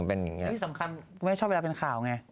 อันนี้สำคัญให้ชอบเวลาเป็นข่าวไง